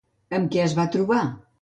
Amb què es va trobar?